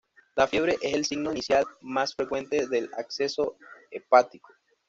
La fiebre es el signo inicial más frecuente del absceso hepático.